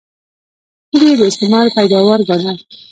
پولې یې د استعمار پیداوار ګاڼه.